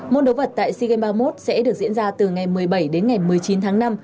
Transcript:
môn đấu vật tại sea games ba mươi một sẽ được diễn ra từ ngày một mươi bảy đến ngày một mươi chín tháng năm